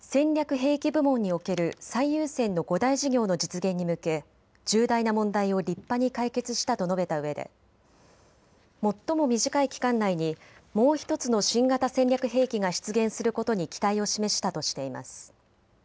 兵器部門における最優先の５大事業の実現に向け重大な問題を立派に解決したと述べたうえで最も短い期間内にもう１つの新型戦略兵器が出現することに期待を示したとしています。